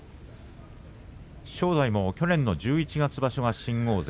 正代も去年の十一月場所新大関。